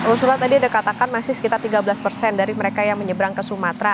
usulan tadi ada katakan masih sekitar tiga belas persen dari mereka yang menyeberang ke sumatera